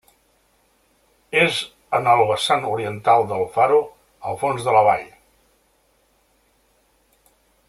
És en el vessant oriental del Faro, al fons de la vall.